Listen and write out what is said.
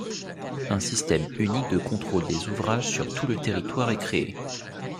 Un système unique de contrôle des ouvrages sur tout le territoire est créé.